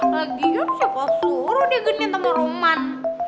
lagi siapa suruh dia genit sama roman